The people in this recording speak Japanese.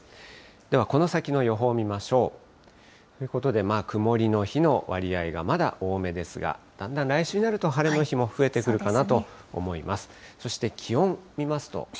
ではこの先の予報を見ましょう。ということで、曇りの日の割合がまだ多めですが、だんだん来週になると、晴れの日も増えてくるかなと思います。